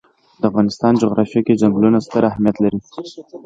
د افغانستان جغرافیه کې چنګلونه ستر اهمیت لري.